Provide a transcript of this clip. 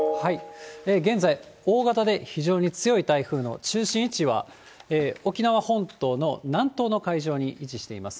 現在、大型で非常に強い台風の中心位置は沖縄本島の南東の海上に位置しています。